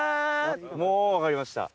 もう分かりました。